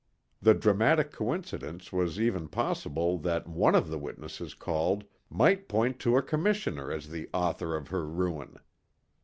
The dramatic coincidence was even possible that one of the witnesses called might point to a commissioner as the author of her ruin.